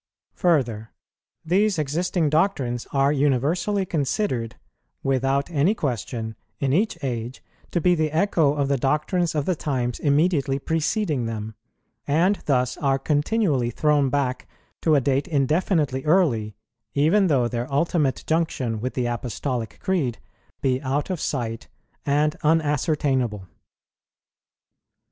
Further, these existing doctrines are universally considered, without any question, in each age to be the echo of the doctrines of the times immediately preceding them, and thus are continually thrown back to a date indefinitely early, even though their ultimate junction with the Apostolic Creed be out of sight and unascertainable.